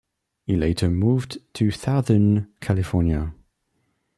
He later moved to southern California.